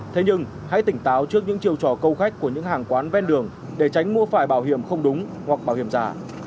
thế nhưng hãy tỉnh táo trước những chiều trò câu khách của những hàng quán ven đường để tránh mua phải bảo hiểm không đúng hoặc bảo hiểm giả